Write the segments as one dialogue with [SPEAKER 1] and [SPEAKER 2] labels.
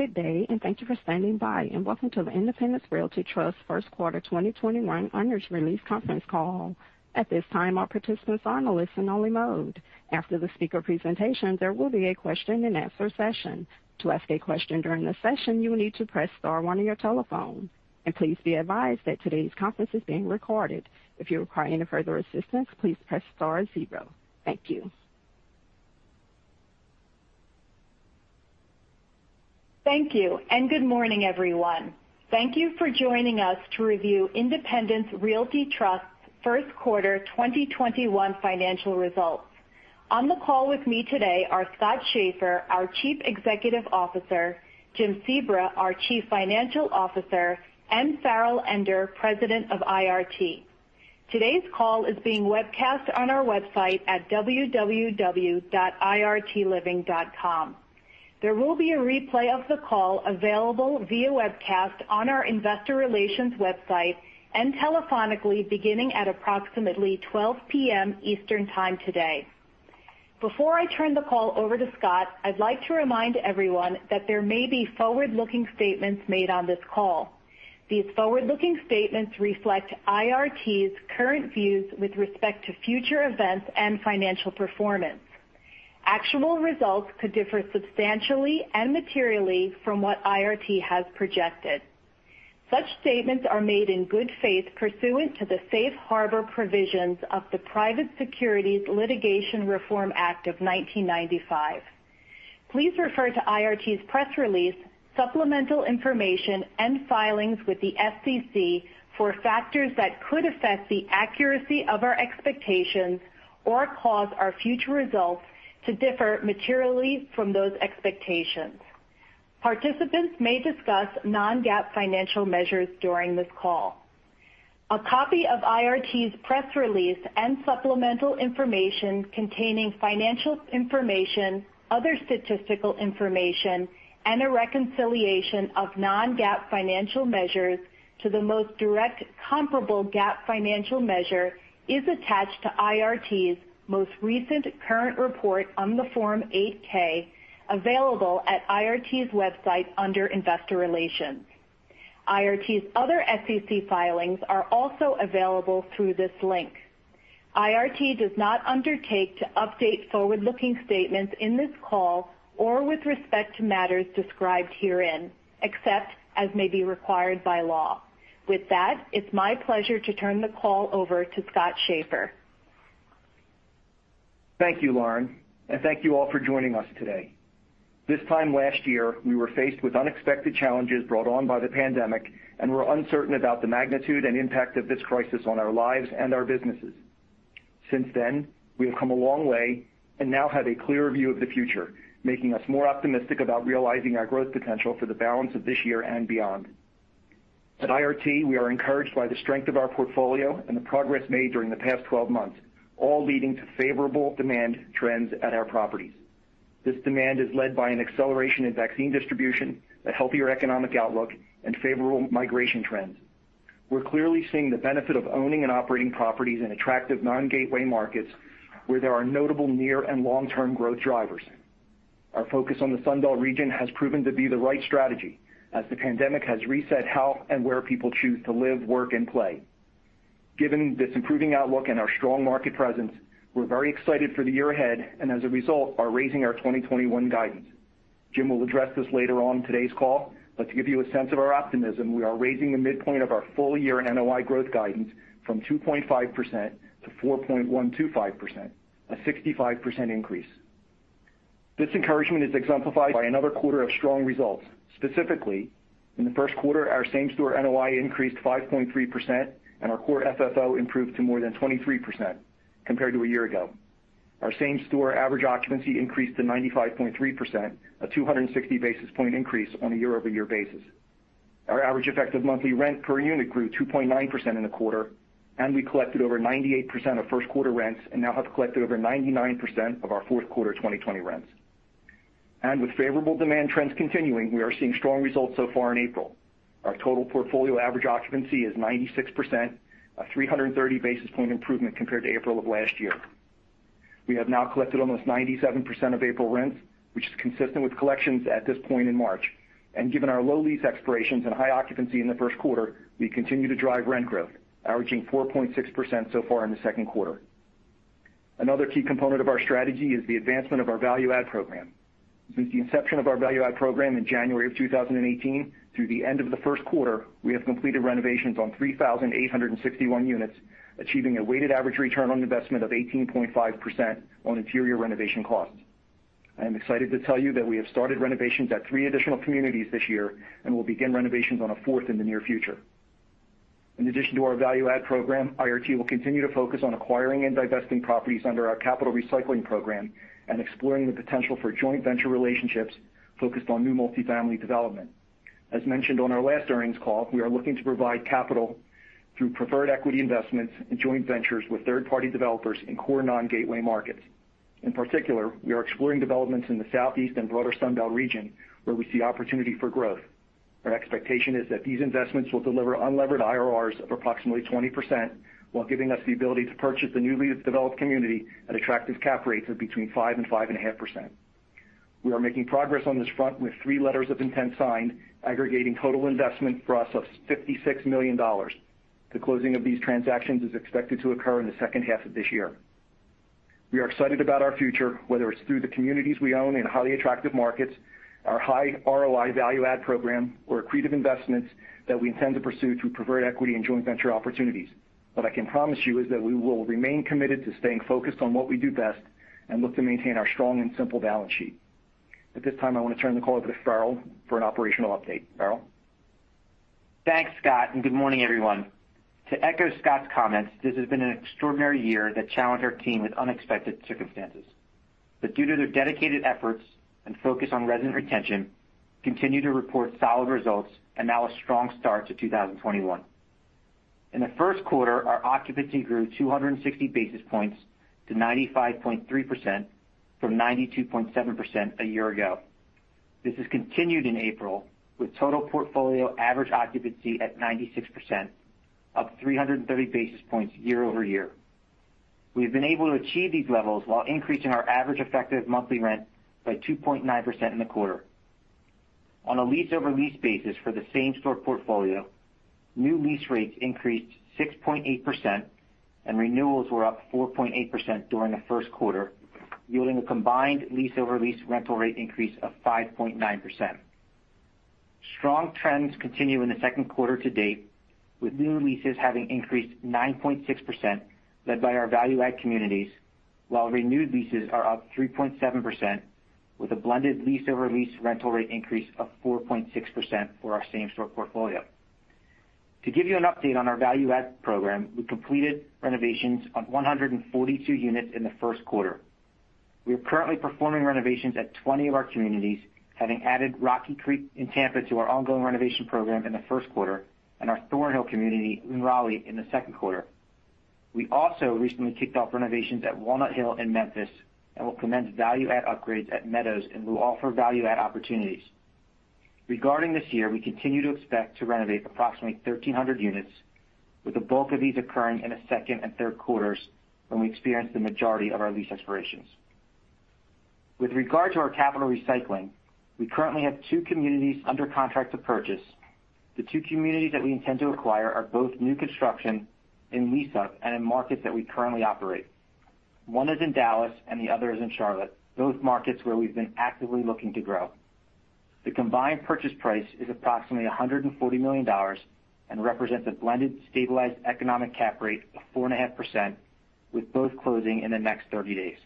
[SPEAKER 1] Good day, and thank you for standing by, and welcome to the Independence Realty Trust first quarter 2021 earnings release conference call. At this time, all participants are in a listen only mode. After the speaker presentation, there will be a question and answer session. To ask a question during the session, you will need to press star one on your telephone. And please be advised that today's conference is being recorded. If you require any further assistance, please press star zero. Thank you.
[SPEAKER 2] Thank you. Good morning, everyone. Thank you for joining us to review Independence Realty Trust first quarter 2021 financial results. On the call with me today are Scott Schaeffer, our Chief Executive Officer, Jim Sebra, our Chief Financial Officer, and Farrell Ender, President of IRT. Today's call is being webcast on our website at www.irtliving.com. There will be a replay of the call available via webcast on our investor relations website and telephonically beginning at approximately 12:00 P.M. Eastern time today. Before I turn the call over to Scott, I'd like to remind everyone that there may be forward-looking statements made on this call. These forward-looking statements reflect IRT's current views with respect to future events and financial performance. Actual results could differ substantially and materially from what IRT has projected. Such statements are made in good faith pursuant to the safe harbor provisions of the Private Securities Litigation Reform Act of 1995. Please refer to IRT's press release, supplemental information, and filings with the SEC for factors that could affect the accuracy of our expectations or cause our future results to differ materially from those expectations. Participants may discuss non-GAAP financial measures during this call. A copy of IRT's press release and supplemental information containing financial information, other statistical information, and a reconciliation of non-GAAP financial measures to the most direct comparable GAAP financial measure is attached to IRT's most recent current report on the form 8-K available at IRT's website under investor relations. IRT's other SEC filings are also available through this link. IRT does not undertake to update forward-looking statements in this call or with respect to matters described herein, except as may be required by law. With that, it's my pleasure to turn the call over to Scott Schaeffer.
[SPEAKER 3] Thank you, Lauren, and thank you all for joining us today. This time last year, we were faced with unexpected challenges brought on by the pandemic and were uncertain about the magnitude and impact of this crisis on our lives and our businesses. Since then, we have come a long way and now have a clearer view of the future, making us more optimistic about realizing our growth potential for the balance of this year and beyond. At IRT, we are encouraged by the strength of our portfolio and the progress made during the past 12 months, all leading to favorable demand trends at our properties. This demand is led by an acceleration in vaccine distribution, a healthier economic outlook, and favorable migration trends. We're clearly seeing the benefit of owning and operating properties in attractive non-gateway markets where there are notable near and long-term growth drivers. Our focus on the Sun Belt region has proven to be the right strategy as the pandemic has reset how and where people choose to live, work, and play. Given this improving outlook and our strong market presence, we're very excited for the year ahead and as a result are raising our 2021 guidance. Jim Sebra will address this later on in today's call. To give you a sense of our optimism, we are raising the midpoint of our full-year NOI growth guidance from 2.5% to 4.125%, a 65% increase. This encouragement is exemplified by another quarter of strong results. Specifically, in the first quarter, our same store NOI increased 5.3% and our core FFO improved to more than 23% compared to a year ago. Our same store average occupancy increased to 95.3%, a 260 basis point increase on a year-over-year basis. Our average effective monthly rent per unit grew 2.9% in the quarter. We collected over 98% of first quarter rents and now have collected over 99% of our fourth quarter 2020 rents. With favorable demand trends continuing, we are seeing strong results so far in April. Our total portfolio average occupancy is 96%, a 330 basis points improvement compared to April of last year. We have now collected almost 97% of April rents, which is consistent with collections at this point in March. Given our low lease expirations and high occupancy in the first quarter, we continue to drive rent growth, averaging 4.6% so far in the second quarter. Another key component of our strategy is the advancement of our value-add program. Since the inception of our Value Add Program in January of 2018 through the end of the first quarter, we have completed renovations on 3,861 units, achieving a weighted average return on investment of 18.5% on interior renovation costs. I am excited to tell you that we have started renovations at three additional communities this year and will begin renovations on a fourth in the near future. In addition to our Value Add Program, IRT will continue to focus on acquiring and divesting properties under our Capital Recycling Program and exploring the potential for joint venture relationships focused on new multifamily development. As mentioned on our last earnings call, we are looking to provide capital through preferred equity investments and joint ventures with third-party developers in core non-gateway markets. In particular, we are exploring developments in the Southeast and broader Sun Belt region where we see opportunity for growth. Our expectation is that these investments will deliver unlevered IRRs of approximately 20%, while giving us the ability to purchase the newly developed community at attractive cap rates of between 5% and 5.5%. We are making progress on this front with three letters of intent signed aggregating total investment for us of $56 million. The closing of these transactions is expected to occur in the second half of this year. We are excited about our future, whether it's through the communities we own in highly attractive markets, our high ROI value add program, or accretive investments that we intend to pursue through preferred equity and joint venture opportunities. What I can promise you is that we will remain committed to staying focused on what we do best and look to maintain our strong and simple balance sheet. At this time, I want to turn the call over to Farrell for an operational update. Farrell?
[SPEAKER 4] Thanks, Scott. Good morning, everyone. To echo Scott's comments, this has been an extraordinary year that challenged our team with unexpected circumstances. Due to their dedicated efforts and focus on resident retention, we continue to report solid results and now a strong start to 2021. In the first quarter, our occupancy grew 260 basis points to 95.3% from 92.7% one year ago. This has continued in April, with total portfolio average occupancy at 96%, up 330 basis points year-over-year. We have been able to achieve these levels while increasing our average effective monthly rent by 2.9% in the quarter. On a lease-over-lease basis for the same store portfolio, new lease rates increased 6.8% and renewals were up 4.8% during the first quarter, yielding a combined lease-over-lease rental rate increase of 5.9%. Strong trends continue in the second quarter to date, with new leases having increased 9.6%, led by our value add communities, while renewed leases are up 3.7% with a blended lease-over-lease rental rate increase of 4.6% for our same store portfolio. To give you an update on our value add program, we completed renovations on 142 units in the first quarter. We are currently performing renovations at 20 of our communities, having added Rocky Creek in Tampa to our ongoing renovation program in the first quarter and our Thornhill community in Raleigh in the second quarter. We also recently kicked off renovations at Walnut Hill in Memphis and will commence value add upgrades at Meadows and will offer value add opportunities. Regarding this year, we continue to expect to renovate approximately 1,300 units, with the bulk of these occurring in the second and third quarters when we experience the majority of our lease expirations. With regard to our capital recycling, we currently have two communities under contract to purchase. The two communities that we intend to acquire are both new construction and leased up and in markets that we currently operate. One is in Dallas and the other is in Charlotte, both markets where we've been actively looking to grow. The combined purchase price is approximately $140 million and represents a blended stabilized economic cap rate of 4.5% with both closing in the next 30 days.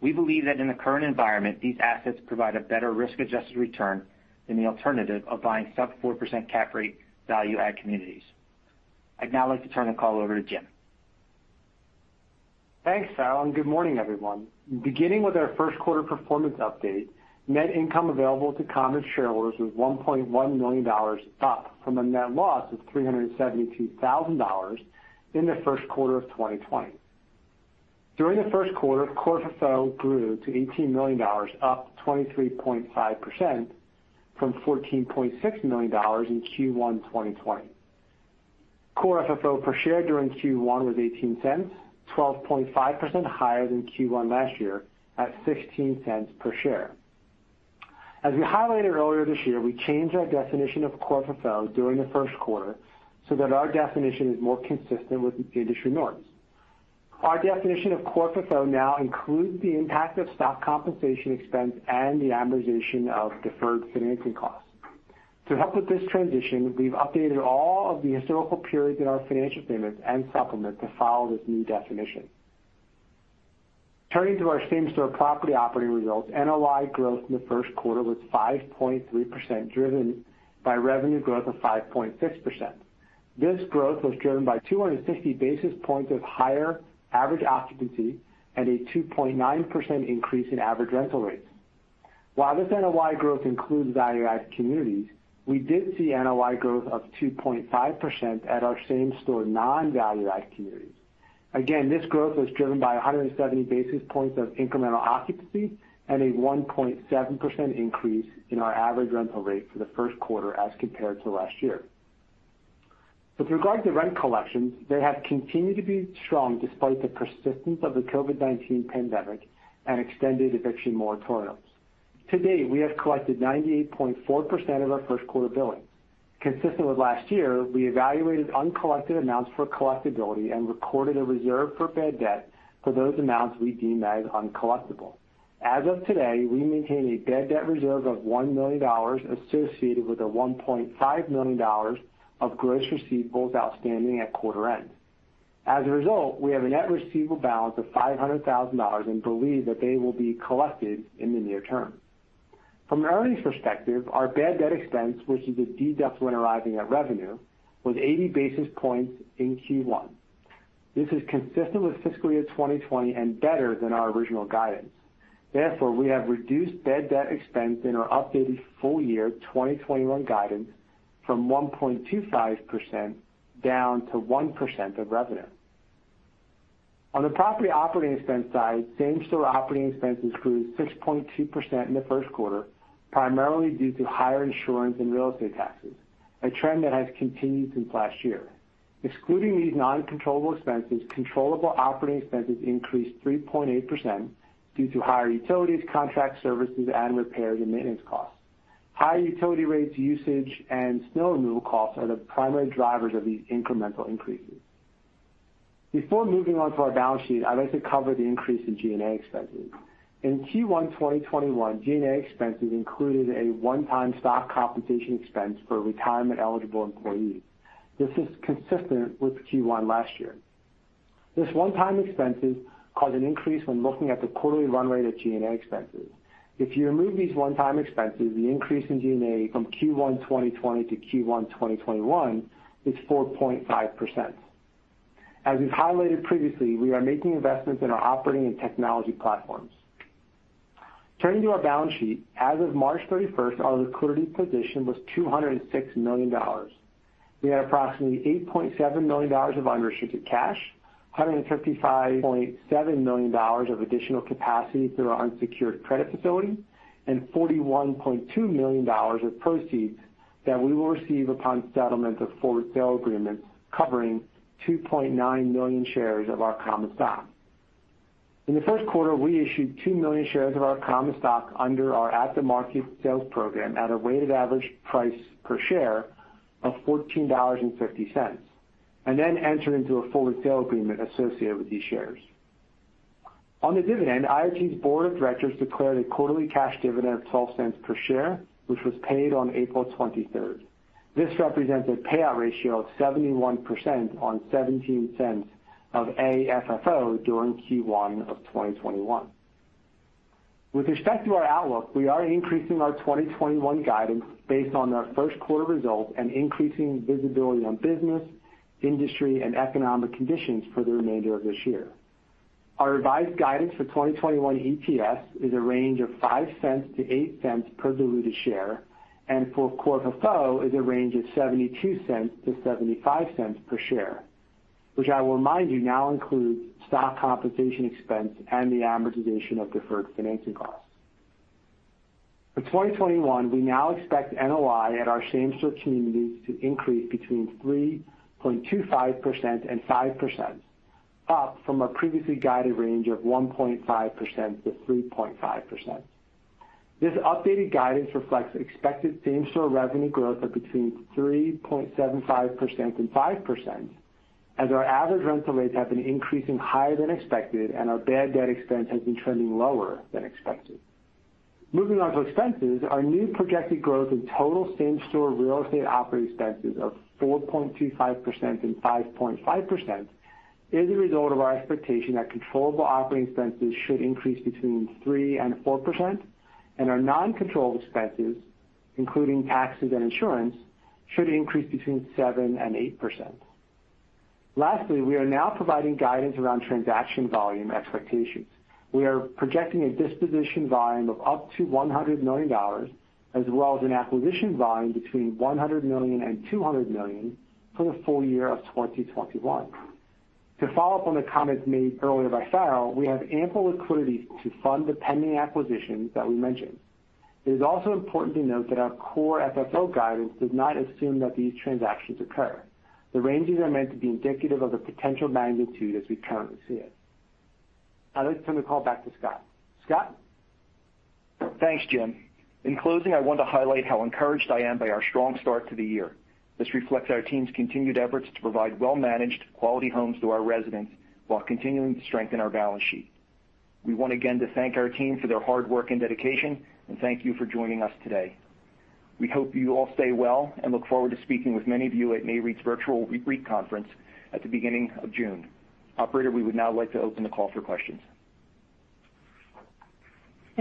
[SPEAKER 4] We believe that in the current environment, these assets provide a better risk-adjusted return than the alternative of buying sub 4% cap rate value add communities. I'd now like to turn the call over to Jim.
[SPEAKER 5] Thanks, Farrell, and good morning, everyone. Beginning with our first quarter performance update, net income available to common shareholders was $1.1 million, up from a net loss of $372,000 in the first quarter of 2020. During the first quarter, core FFO grew to $18 million, up 23.5% from $14.6 million in Q1 2020. Core FFO per share during Q1 was $0.18, 12.5% higher than Q1 last year at $0.16 per share. As we highlighted earlier this year, we changed our definition of core FFO during the first quarter so that our definition is more consistent with industry norms. Our definition of core FFO now includes the impact of stock compensation expense and the amortization of deferred financing costs. To help with this transition, we've updated all of the historical periods in our financial statements and supplement to follow this new definition. Turning to our same-store property operating results, NOI growth in the first quarter was 5.3%, driven by revenue growth of 5.6%. This growth was driven by 250 basis points of higher average occupancy and a 2.9% increase in average rental rates. While this NOI growth includes value add communities, we did see NOI growth of 2.5% at our same store non-value add communities. Again, this growth was driven by 170 basis points of incremental occupancy and a 1.7% increase in our average rental rate for the first quarter as compared to last year. With regard to rent collections, they have continued to be strong despite the persistence of the COVID-19 pandemic and extended eviction moratoriums. To date, we have collected 98.4% of our first quarter billing. Consistent with last year, we evaluated uncollected amounts for collectability and recorded a reserve for bad debt for those amounts we deem as uncollectible. As of today, we maintain a bad debt reserve of $1 million associated with the $1.5 million of gross receivables outstanding at quarter end. As a result, we have a net receivable balance of $500,000 and believe that they will be collected in the near term. From an earnings perspective, our bad debt expense, which is a deduct when arriving at revenue, was 80 basis points in Q1. This is consistent with fiscal year 2020 and better than our original guidance. Therefore, we have reduced bad debt expense in our updated full year 2021 guidance from 1.25% down to 1% of revenue. On the property operating expense side, same-store operating expenses grew 6.2% in the first quarter, primarily due to higher insurance and real estate taxes, a trend that has continued since last year. Excluding these non-controllable expenses, controllable operating expenses increased 3.8% due to higher utilities, contract services, and repairs and maintenance costs. Higher utility rates usage and snow removal costs are the primary drivers of these incremental increases. Before moving on to our balance sheet, I'd like to cover the increase in G&A expenses. In Q1 2021, G&A expenses included a one-time stock compensation expense for retirement-eligible employees. This is consistent with Q1 last year. This one-time expenses cause an increase when looking at the quarterly run rate of G&A expenses. If you remove these one-time expenses, the increase in G&A from Q1 2020 to Q1 2021 is 4.5%. As we've highlighted previously, we are making investments in our operating and technology platforms. Turning to our balance sheet, as of March 31st, our liquidity position was $206 million. We had approximately $8.7 million of unrestricted cash, $155.7 million of additional capacity through our unsecured credit facility, and $41.2 million of proceeds that we will receive upon settlement of forward sale agreements covering 2.9 million shares of our common stock. In the first quarter, we issued 2 million shares of our common stock under our at-the-market sales program at a weighted average price per share of $14.50, and then entered into a forward sale agreement associated with these shares. On the dividend, IRT's board of directors declared a quarterly cash dividend of $0.12 per share, which was paid on April 23rd. This represents a payout ratio of 71% on $0.17 of AFFO during Q1 of 2021. With respect to our outlook, we are increasing our 2021 guidance based on our first quarter results and increasing visibility on business, industry, and economic conditions for the remainder of this year. Our revised guidance for 2021 EPS is a range of $0.05-$0.08 per diluted share, and for core FFO is a range of $0.72-$0.75 per share, which I will remind you now includes stock compensation expense and the amortization of deferred financing costs. For 2021, we now expect NOI at our same-store communities to increase between 3.25% and 5%, up from our previously guided range of 1.5%-3.5%. This updated guidance reflects expected same-store revenue growth of between 3.75% and 5%, as our average rental rates have been increasing higher than expected and our bad debt expense has been trending lower than expected. Moving on to expenses, our new projected growth in total same-store real estate operating expenses of 4.25% and 5.5% is a result of our expectation that controllable operating expenses should increase between 3% and 4%, and our non-controllable expenses, including taxes and insurance, should increase between 7% and 8%. Lastly, we are now providing guidance around transaction volume expectations. We are projecting a disposition volume of up to $100 million, as well as an acquisition volume between $100 million and $200 million for the full year of 2021. To follow up on the comments made earlier by Farrell, we have ample liquidity to fund the pending acquisitions that we mentioned. It is also important to note that our core FFO guidance does not assume that these transactions occur. The ranges are meant to be indicative of the potential magnitude as we currently see it. I'd like to turn the call back to Scott. Scott?
[SPEAKER 3] Thanks, Jim. In closing, I want to highlight how encouraged I am by our strong start to the year. This reflects our team's continued efforts to provide well-managed quality homes to our residents while continuing to strengthen our balance sheet. We want again to thank our team for their hard work and dedication, and thank you for joining us today. We hope you all stay well and look forward to speaking with many of you at Nareit's virtual REITweek conference at the beginning of June. Operator, we would now like to open the call for questions.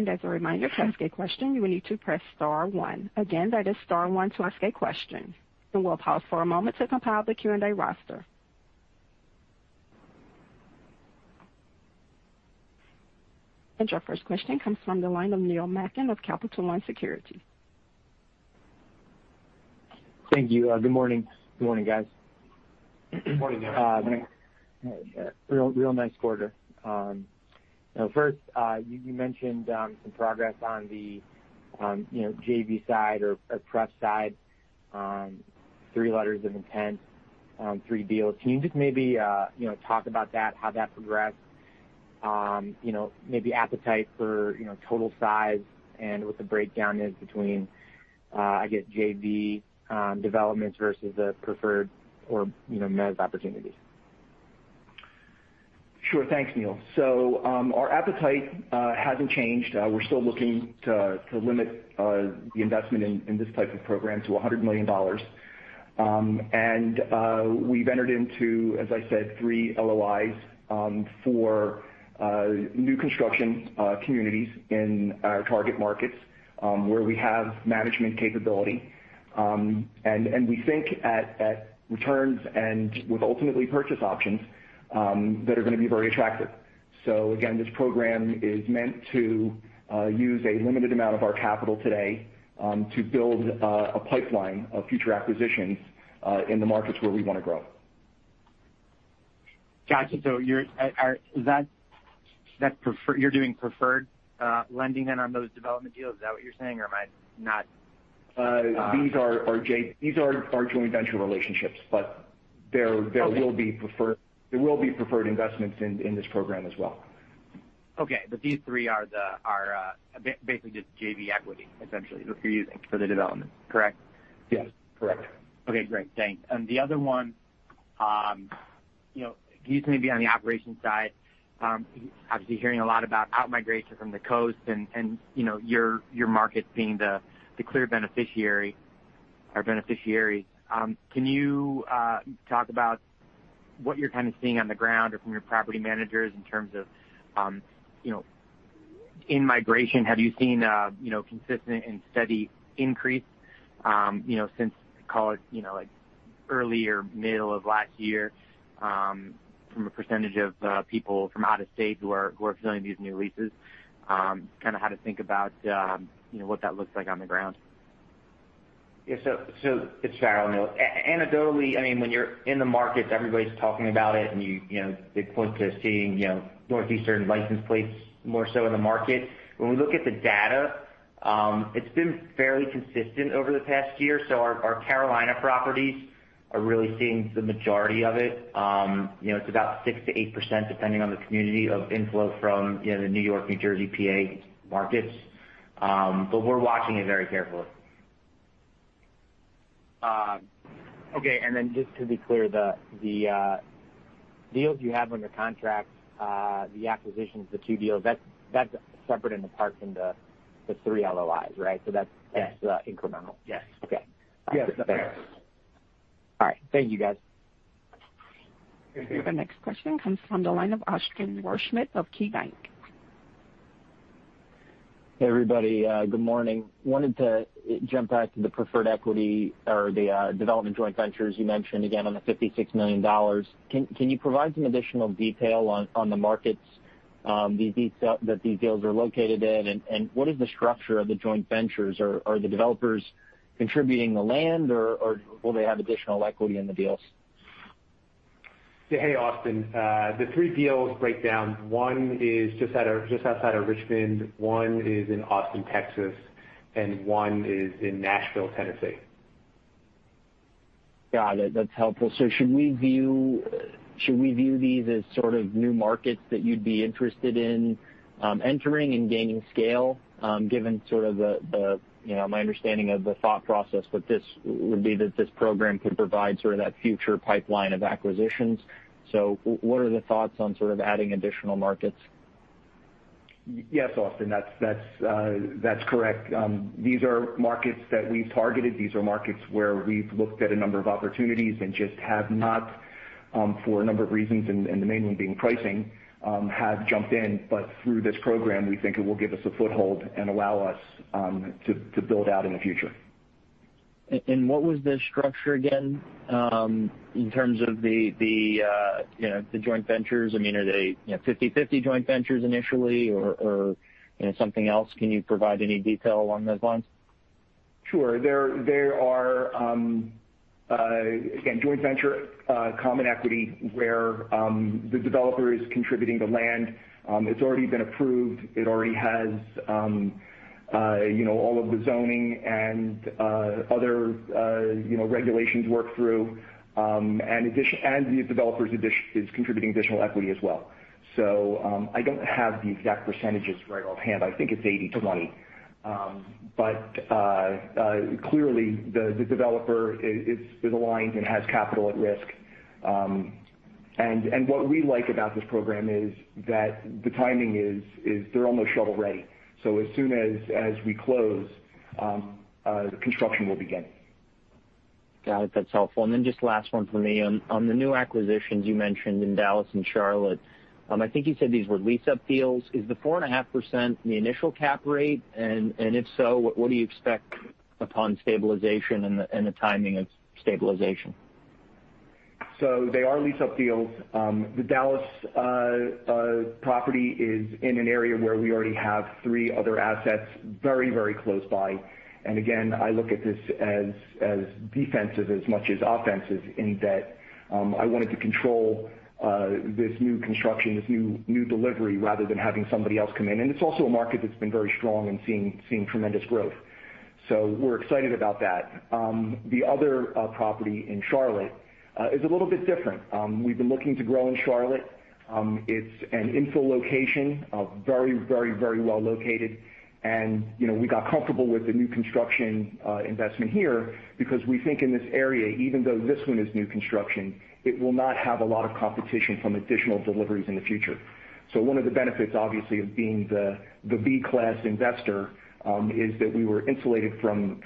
[SPEAKER 1] As a reminder, to ask a question, you will need to press star one. Again, that is star one to ask a question. We'll pause for a moment to compile the Q&A roster. Your first question comes from the line of Neil Malkin of Capital One Securities.
[SPEAKER 6] Thank you. Good morning. Good morning, guys.
[SPEAKER 3] Good morning, Neil.
[SPEAKER 6] Real nice quarter. You mentioned some progress on the JV side or pref side. Three letters of intent, three deals. Can you just maybe talk about that, how that progressed? Maybe appetite for total size and what the breakdown is between, I guess, JV developments versus the preferred or mez opportunities.
[SPEAKER 3] Sure. Thanks, Neil. Our appetite hasn't changed. We're still looking to limit the investment in this type of program to $100 million. We've entered into, as I said, three LOIs for new construction communities in our target markets, where we have management capability. We think at returns and with ultimately purchase options that are going to be very attractive. Again, this program is meant to use a limited amount of our capital today to build a pipeline of future acquisitions in the markets where we want to grow.
[SPEAKER 6] Got you. You're doing preferred lending then on those development deals. Is that what you're saying, or am I?
[SPEAKER 3] These are our joint venture relationships, but there will be preferred investments in this program as well.
[SPEAKER 6] Okay. These three are basically just JV equity, essentially, that you're using for the development, correct?
[SPEAKER 3] Yes, correct.
[SPEAKER 6] Okay, great. Thanks. The other one, these may be on the operations side. Obviously hearing a lot about out-migration from the coast and your market being the clear beneficiary. Can you talk about what you're kind of seeing on the ground or from your property managers in terms of in-migration? Have you seen a consistent and steady increase since, call it, early or middle of last year from a percentage of people from out of state who are filling these new leases? Kind of how to think about what that looks like on the ground?
[SPEAKER 4] It's Farrell. Anecdotally, when you're in the markets, everybody's talking about it and they point to seeing northeastern license plates more so in the market. When we look at the data, it's been fairly consistent over the past year. Our Carolina properties are really seeing the majority of it. It's about 6%-8%, depending on the community of inflow from the New York, New Jersey, PA markets. We're watching it very carefully.
[SPEAKER 6] Okay. Just to be clear, the deals you have under contract, the acquisitions, the two deals, that's separate and apart from the three LOIs, right?
[SPEAKER 4] Yes
[SPEAKER 6] Incremental.
[SPEAKER 4] Yes.
[SPEAKER 6] Okay.
[SPEAKER 3] Yes.
[SPEAKER 6] All right. Thank you guys.
[SPEAKER 3] Thank you.
[SPEAKER 1] The next question comes from the line of Austin Wurschmidt of KeyBank.
[SPEAKER 7] Hey, everybody. Good morning. Wanted to jump back to the preferred equity or the development joint ventures you mentioned again on the $56 million. Can you provide some additional detail on the markets that these deals are located in? What is the structure of the joint ventures? Are the developers contributing the land, or will they have additional equity in the deals?
[SPEAKER 3] Hey, Austin. The three deals break down. One is just outside of Richmond, one is in Austin, Texas, and one is in Nashville, Tennessee.
[SPEAKER 7] Got it. That's helpful. Should we view these as sort of new markets that you'd be interested in entering and gaining scale? Given sort of my understanding of the thought process with this would be that this program could provide sort of that future pipeline of acquisitions. What are the thoughts on sort of adding additional markets?
[SPEAKER 3] Yes, Austin, that's correct. These are markets that we've targeted. These are markets where we've looked at a number of opportunities and just have not, for a number of reasons, and the main one being pricing, have jumped in. Through this program, we think it will give us a foothold and allow us to build out in the future.
[SPEAKER 7] What was the structure again, in terms of the joint ventures? I mean, are they 50/50 joint ventures initially or something else? Can you provide any detail along those lines?
[SPEAKER 3] Sure. They are, again, joint venture common equity where the developer is contributing the land. It's already been approved. It already has all of the zoning and other regulations worked through. The developer is contributing additional equity as well. I don't have the exact percentages right offhand. I think it's 80% to 20%. Clearly the developer is aligned and has capital at risk. What we like about this program is that the timing is they're almost shovel-ready. As soon as we close, the construction will begin.
[SPEAKER 7] Got it. That's helpful. Just last one from me. On the new acquisitions you mentioned in Dallas and Charlotte, I think you said these were lease-up deals. Is the 4.5% the initial cap rate? If so, what do you expect upon stabilization and the timing of stabilization?
[SPEAKER 3] They are lease-up deals. The Dallas property is in an area where we already have three other assets very close by. Again, I look at this as defensive as much as offensive in that I wanted to control this new construction, this new delivery, rather than having somebody else come in. It's also a market that's been very strong and seeing tremendous growth. We're excited about that. The other property in Charlotte is a little bit different. We've been looking to grow in Charlotte. It's an infill location, very well located. We got comfortable with the new construction investment here because we think in this area, even though this one is new construction, it will not have a lot of competition from additional deliveries in the future. One of the benefits, obviously, of being the B-class investor is that we were insulated from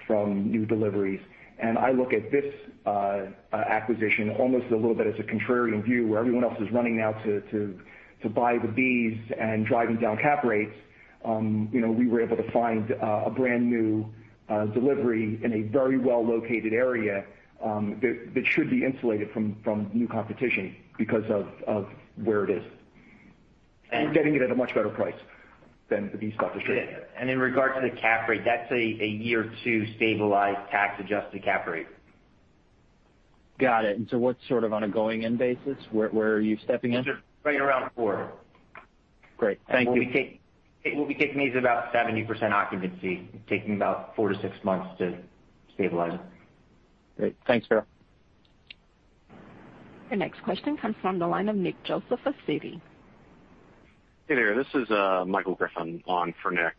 [SPEAKER 3] new deliveries. I look at this acquisition almost a little bit as a contrarian view, where everyone else is running now to buy the Bs and driving down cap rates. We were able to find a brand-new delivery in a very well-located area that should be insulated from new competition because of where it is. Getting it at a much better price than the B stock is trading at.
[SPEAKER 4] In regards to the cap rate, that's a year two stabilized tax-adjusted cap rate.
[SPEAKER 7] Got it. What's sort of on a going in basis? Where are you stepping in?
[SPEAKER 4] Right around four.
[SPEAKER 7] Great. Thank you.
[SPEAKER 4] What we take is about 70% occupancy, taking about four to six months to stabilize it.
[SPEAKER 7] Great. Thanks, Farrell.
[SPEAKER 1] Your next question comes from the line of Nick Joseph of Citi.
[SPEAKER 8] Hey there. This is Michael Griffin on for Nick.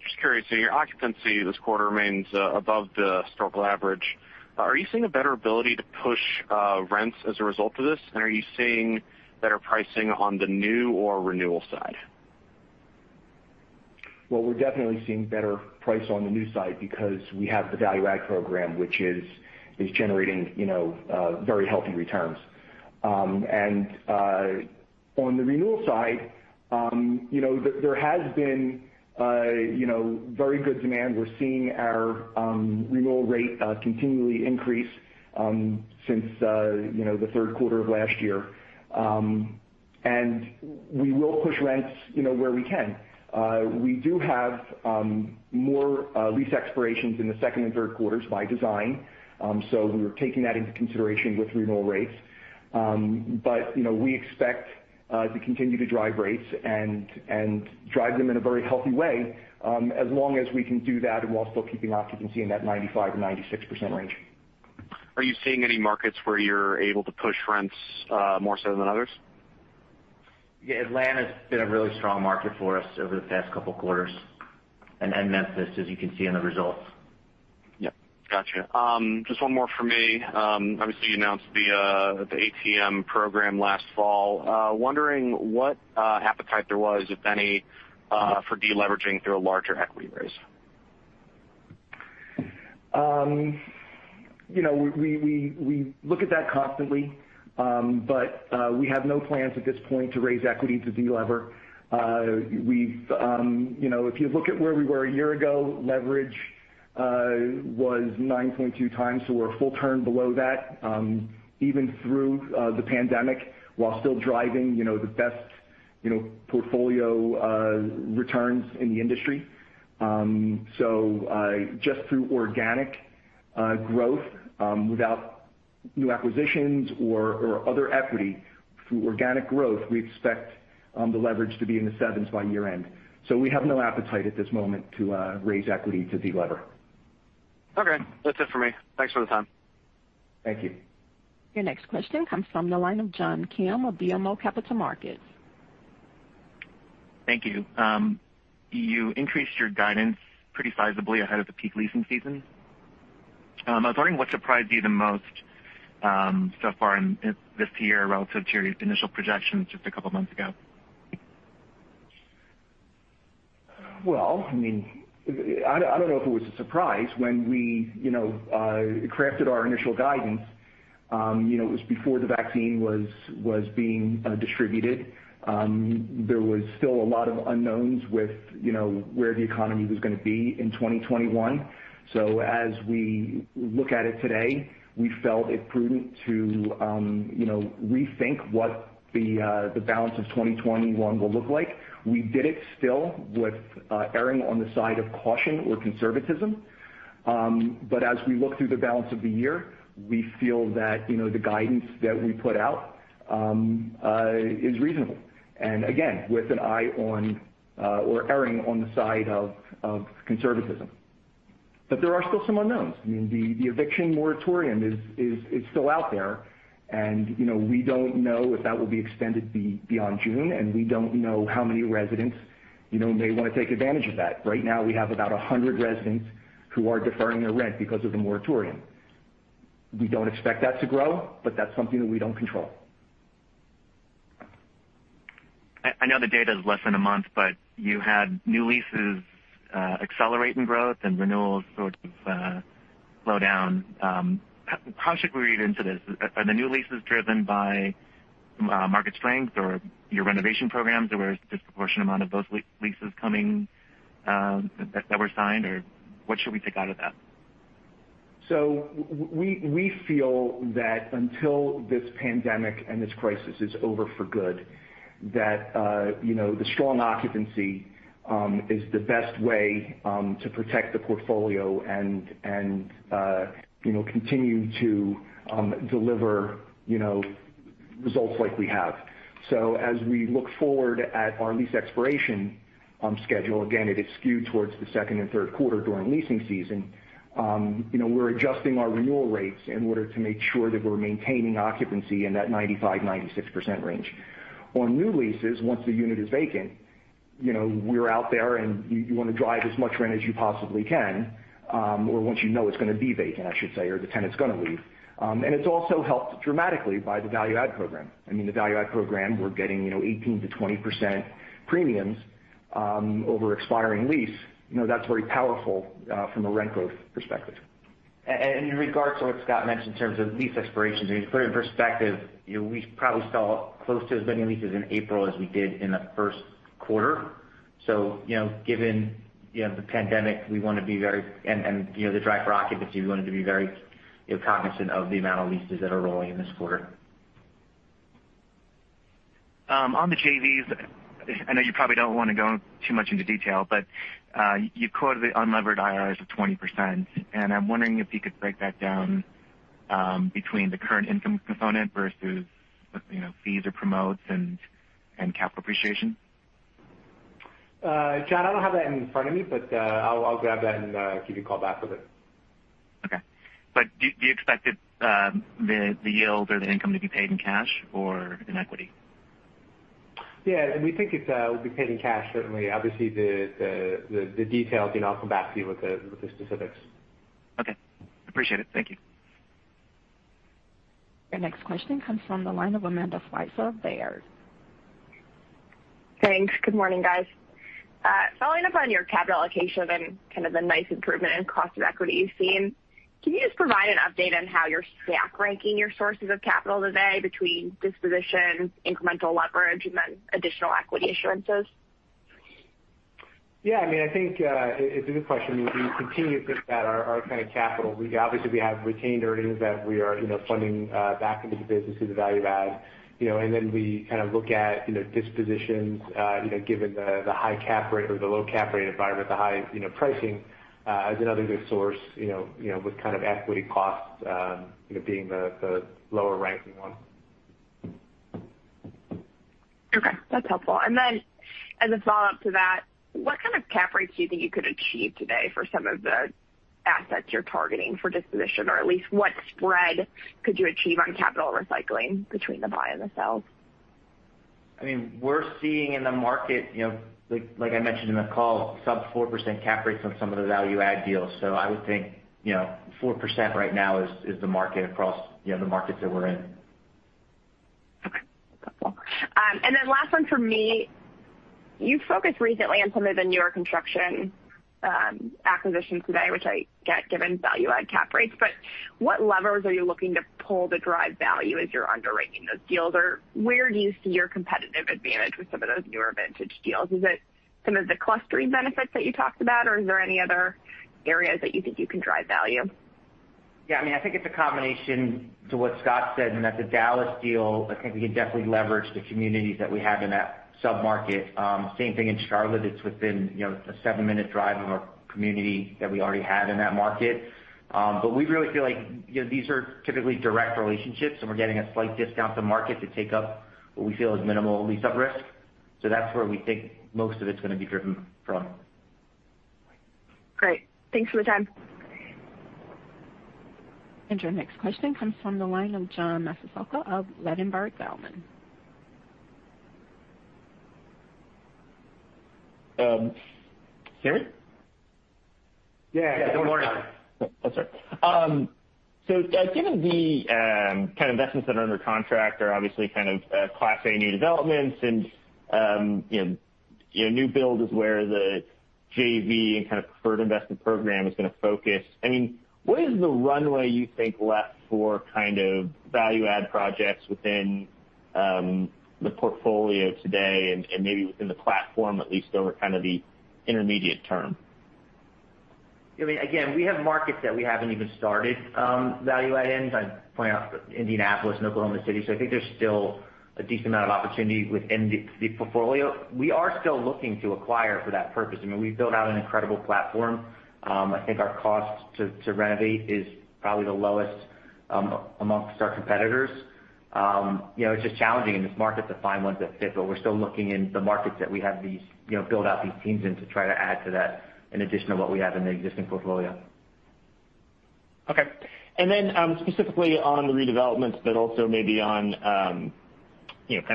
[SPEAKER 8] Just curious, your occupancy this quarter remains above the historical average. Are you seeing a better ability to push rents as a result of this? Are you seeing better pricing on the new or renewal side?
[SPEAKER 3] Well, we're definitely seeing better price on the new side because we have the value add program, which is generating very healthy returns. On the renewal side, there has been very good demand. We're seeing our renewal rate continually increase since the third quarter of last year. We will push rents where we can. We do have more lease expirations in the second and third quarters by design, so we're taking that into consideration with renewal rates. We expect to continue to drive rates and drive them in a very healthy way, as long as we can do that while still keeping occupancy in that 95%-96% range.
[SPEAKER 8] Are you seeing any markets where you're able to push rents more so than others?
[SPEAKER 4] Yeah, Atlanta's been a really strong market for us over the past couple of quarters, and Memphis, as you can see in the results.
[SPEAKER 8] Yep. Got you. Just one more from me. Obviously, you announced the ATM program last fall. Wondering what appetite there was, if any, for de-leveraging through a larger equity raise.
[SPEAKER 3] We look at that constantly, but we have no plans at this point to raise equity to de-lever. If you look at where we were one year ago, leverage was 9.2x. We're a full turn below that, even through the pandemic, while still driving the best portfolio returns in the industry. Just through organic growth, without new acquisitions or other equity, through organic growth, we expect the leverage to be in the sevens by year-end. We have no appetite at this moment to raise equity to de-lever.
[SPEAKER 8] Okay. That's it for me. Thanks for the time.
[SPEAKER 3] Thank you.
[SPEAKER 1] Your next question comes from the line of John Kim of BMO Capital Markets.
[SPEAKER 9] Thank you. You increased your guidance pretty sizably ahead of the peak leasing season. I was wondering what surprised you the most so far in this year relative to your initial projections just a couple of months ago.
[SPEAKER 3] Well, I don't know if it was a surprise when we crafted our initial guidance. It was before the vaccine was being distributed. There was still a lot of unknowns with where the economy was going to be in 2021. As we look at it today, we felt it prudent to rethink what the balance of 2021 will look like. We did it still with erring on the side of caution or conservatism. As we look through the balance of the year, we feel that the guidance that we put out is reasonable. Again, with an eye on or erring on the side of conservatism. There are still some unknowns. The eviction moratorium is still out there, and we don't know if that will be extended beyond June, and we don't know how many residents may want to take advantage of that. Right now, we have about 100 residents who are deferring their rent because of the moratorium. We don't expect that to grow, but that's something that we don't control.
[SPEAKER 9] I know the data is less than a month, but you had new leases accelerate in growth and renewals sort of slow down. How should we read into this? Are the new leases driven by market strength or your renovation programs? Were there a disproportionate amount of those leases coming that were signed? What should we take out of that?
[SPEAKER 3] We feel that until this pandemic and this crisis is over for good, that the strong occupancy is the best way to protect the portfolio and continue to deliver results like we have. As we look forward at our lease expiration schedule, again, it is skewed towards the second and third quarter during leasing season. We're adjusting our renewal rates in order to make sure that we're maintaining occupancy in that 95%-96% range. On new leases, once the unit is vacant, we're out there and you want to drive as much rent as you possibly can. Once you know it's going to be vacant, I should say, or the tenant's going to leave. It's also helped dramatically by the value add program. The value add program, we're getting 18%-20% premiums over expiring lease. That's very powerful from a rent growth perspective.
[SPEAKER 4] In regards to what Scott mentioned in terms of lease expirations, to put it in perspective, we probably saw close to as many leases in April as we did in the first quarter. Given the pandemic and the drive for occupancy, we wanted to be very cognizant of the amount of leases that are rolling in this quarter.
[SPEAKER 9] On the JVs, I know you probably don't want to go too much into detail, but you quoted the unlevered IRRs of 20%, and I'm wondering if you could break that down between the current income component versus fees or promotes and capital appreciation.
[SPEAKER 4] John, I don't have that in front of me, but I'll grab that and give you a call back with it.
[SPEAKER 9] Okay. Do you expect the yield or the income to be paid in cash or in equity?
[SPEAKER 4] Yeah, we think it will be paid in cash, certainly. Obviously, the details, I'll come back to you with the specifics.
[SPEAKER 9] Okay. Appreciate it. Thank you.
[SPEAKER 1] Your next question comes from the line of Amanda Sweitzer of Baird.
[SPEAKER 10] Thanks. Good morning, guys. Following up on your capital allocation and kind of the nice improvement in cost of equity you've seen, can you just provide an update on how you're stack-ranking your sources of capital today between dispositions, incremental leverage, and then additional equity issuances?
[SPEAKER 4] Yeah. I think it's a good question. We continuously look at our kind of capital. Obviously, we have retained earnings that we are funding back into the business as a value add. We kind of look at dispositions given the low cap rate environment, the high pricing as another good source, with kind of equity costs being the lower-ranking one.
[SPEAKER 10] Okay, that's helpful. As a follow-up to that, what kind of cap rates do you think you could achieve today for some of the assets you're targeting for disposition? At least what spread could you achieve on capital recycling between the buy and the sell?
[SPEAKER 4] We're seeing in the market, like I mentioned in the call, sub 4% cap rates on some of the value add deals. I would think 4% right now is the market across the markets that we're in.
[SPEAKER 10] Okay. Helpful. Last one from me. You've focused recently on some of the newer construction acquisitions today, which I get, given value add cap rates, but what levers are you looking to pull to drive value as you're underwriting those deals? Where do you see your competitive advantage with some of those newer vintage deals? Is it some of the clustering benefits that you talked about, or are there any other areas that you think you can drive value?
[SPEAKER 4] Yeah, I think it's a combination to what Scott said, and that the Dallas deal, I think we can definitely leverage the communities that we have in that sub-market. Same thing in Charlotte. It's within a seven-minute drive of a community that we already have in that market. We really feel like these are typically direct relationships, and we're getting a slight discount to market to take up what we feel is minimal lease-up risk. That's where we think most of it's going to be driven from.
[SPEAKER 10] Great. Thanks for the time.
[SPEAKER 1] Your next question comes from the line of John Massocca of Ladenburg Thalmann.
[SPEAKER 11] Can you hear me?
[SPEAKER 4] Yeah. Good morning, John.
[SPEAKER 11] Oh, sorry. Given the kind of investments that are under contract are obviously kind of Class A new developments and new build is where the JV and kind of preferred investment program is going to focus. What is the runway you think left for kind of value add projects within the portfolio today and maybe within the platform at least over kind of the intermediate term?
[SPEAKER 4] We have markets that we haven't even started value add in. As I pointed out, Indianapolis and Oklahoma City. I think there's still a decent amount of opportunity within the portfolio. We are still looking to acquire for that purpose. We've built out an incredible platform. I think our cost to renovate is probably the lowest amongst our competitors. It's just challenging in this market to find ones that fit, but we're still looking in the markets that build out these teams in to try to add to that in addition to what we have in the existing portfolio.
[SPEAKER 11] Okay. Specifically on the redevelopments, but also maybe on kind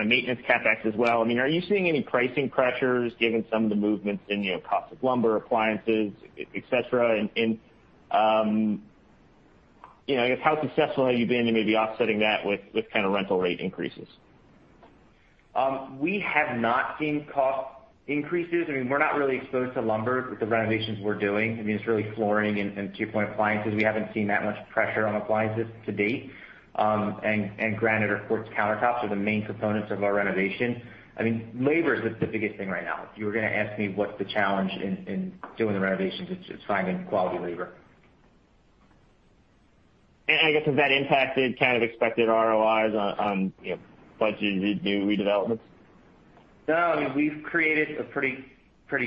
[SPEAKER 11] of maintenance CapEx as well. Are you seeing any pricing pressures given some of the movements in cost of lumber, appliances, et cetera, and I guess how successful have you been in maybe offsetting that with kind of rental rate increases?
[SPEAKER 4] We have not seen cost increases. We're not really exposed to lumber with the renovations we're doing. It's really flooring and two-point appliances. We haven't seen that much pressure on appliances to date. Granite or quartz countertops are the main components of our renovation. Labor is the biggest thing right now. If you were going to ask me what's the challenge in doing the renovations, it's finding quality labor.
[SPEAKER 11] I guess, has that impacted kind of expected ROIs on bunch of new redevelopments?
[SPEAKER 4] No. We've created a pretty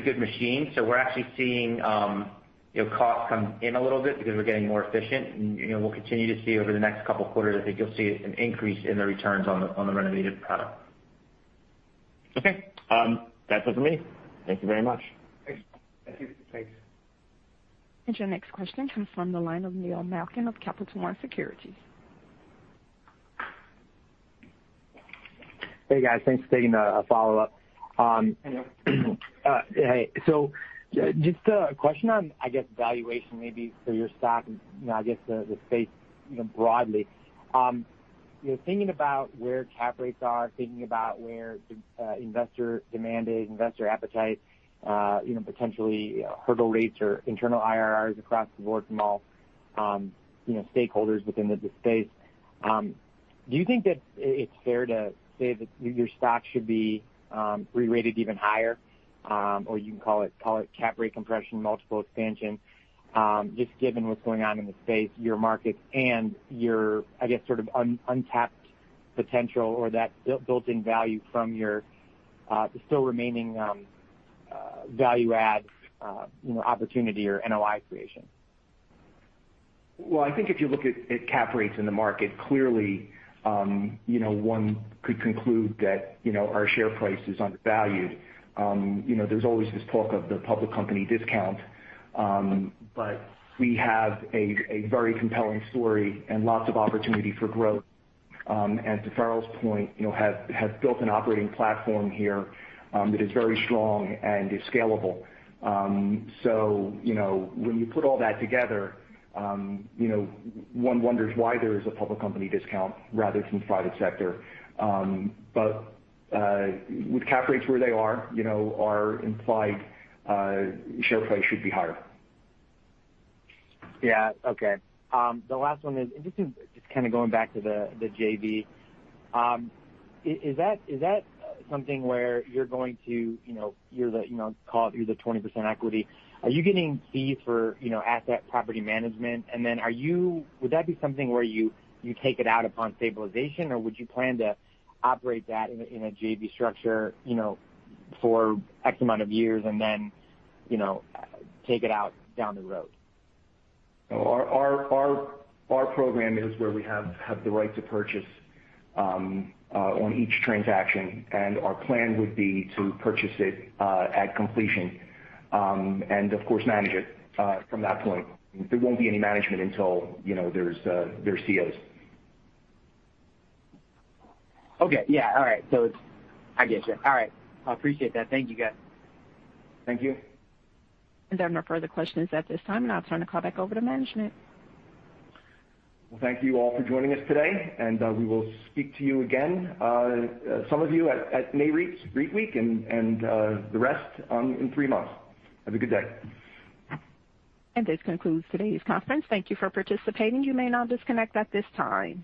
[SPEAKER 4] good machine. We're actually seeing costs come in a little bit because we're getting more efficient. We'll continue to see over the next couple of quarters, I think you'll see an increase in the returns on the renovated product.
[SPEAKER 11] Okay. That's it for me. Thank you very much.
[SPEAKER 4] Thanks.
[SPEAKER 11] Thanks.
[SPEAKER 1] Your next question comes from the line of Neil Malkin of Capital One Securities.
[SPEAKER 6] Hey, guys, thanks for taking a follow-up.
[SPEAKER 4] Hey, Neil.
[SPEAKER 6] Hey. Just a question on, I guess, valuation maybe for your stock and I guess the space broadly. Thinking about where cap rates are, thinking about where investor demand is, investor appetite, potentially hurdle rates or internal IRRs across the board from all stakeholders within the space. Do you think that it's fair to say that your stock should be rerated even higher? You can call it cap rate compression, multiple expansion, just given what's going on in the space, your markets, and your untapped potential, or that built-in value from your still remaining value add opportunity or NOI creation.
[SPEAKER 3] Well, I think if you look at cap rates in the market, clearly one could conclude that our share price is undervalued. There's always this talk of the public company discount. We have a very compelling story and lots of opportunity for growth. To Farrell's point, have built an operating platform here that is very strong and is scalable. When you put all that together one wonders why there is a public company discount rather than private sector. With cap rates where they are, our implied share price should be higher.
[SPEAKER 6] Yeah. Okay. The last one is just going back to the JV. Is that something where you're the 20% equity? Are you getting fee for asset property management? Would that be something where you take it out upon stabilization, or would you plan to operate that in a JV structure for X amount of years and then take it out down the road?
[SPEAKER 3] Our program is where we have the right to purchase on each transaction, and our plan would be to purchase it at completion. Of course, manage it from that point. There won't be any management until there's COs.
[SPEAKER 6] Okay. Yeah. All right. I get you. All right. I appreciate that. Thank you, guys.
[SPEAKER 3] Thank you.
[SPEAKER 1] There are no further questions at this time. Now turning the call back over to management.
[SPEAKER 3] Thank you all for joining us today, and we will speak to you again, some of you at Nareit's REITweek and the rest in three months. Have a good day.
[SPEAKER 1] This concludes today's conference. Thank you for participating. You may now disconnect at this time.